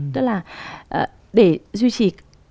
tức là để duy trì